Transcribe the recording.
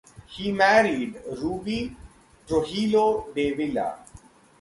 He married Ruby Trujillo de Villa.